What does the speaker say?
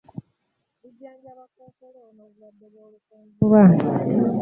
Lijjanjaba Kkookolo n'obulwadde obw'olukonvuba